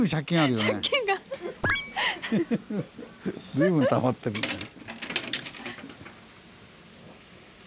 随分たまってるんだよね。